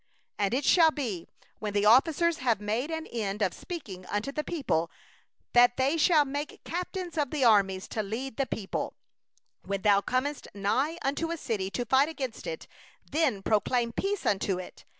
9And it shall be, when the officers have made an end of speaking unto the people, that captains of hosts shall be appointed at the head of the people. 10When thou drawest nigh unto a city to fight against it, then proclaim peace unto it.